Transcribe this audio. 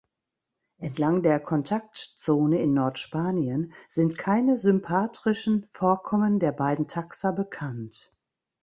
Entlang der Kontaktzone in Nordspanien sind keine sympatrischen Vorkommen der beiden Taxa bekannt.